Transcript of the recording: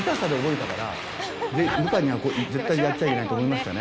部下には絶対にやっちゃいけないと思いましたね。